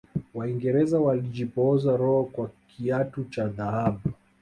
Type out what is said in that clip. waingereza walijipoza roho kwa kiatu cha dhahabu